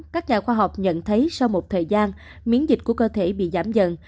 các nhà khoa học nhận thấy sau một thời gian miễn dịch của cơ thể bị giảm dần